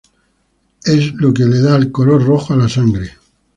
Es lo que le da el color rojo a la sangre.